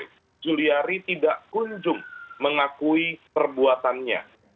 ketika ini kuhp mengakuikan bahwa mereka tidak kunjung mengakui perbuatannya